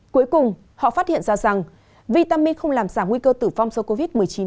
cuối cùng họ phát hiện ra rằng vitamin không làm giảm nguy cơ tử vong do covid một mươi chín của bệnh nhân